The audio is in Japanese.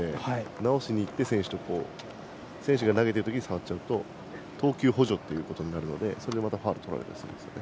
直しにいって、選手が投げているとき触っちゃうと投球補助となるのでそれでファウルをとられるんです。